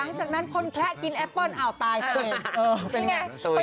หลังจากนั้นคนแคระกินแอปเปิ้ลอ้าวตายเลยเป็นอย่างไร